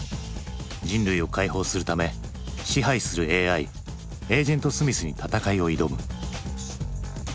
人類を解放するため支配するＡＩエージェント・スミスに戦いを挑む。